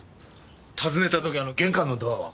訪ねた時玄関のドアは？